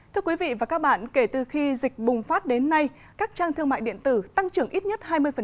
thưa quý vị và các bạn kể từ khi dịch bùng phát đến nay các trang thương mại điện tử tăng trưởng ít nhất hai mươi